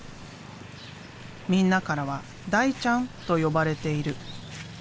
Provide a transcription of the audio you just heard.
みんなからは「大ちゃん」と呼ばれている。